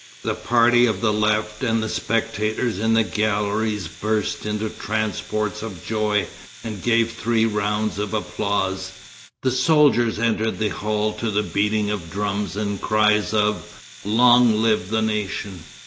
The party of the left and the spectators in the galleries burst into transports of joy, and gave three rounds of applause. The soldiers entered the hall to the beating of drums and cries of "Long live the nation!"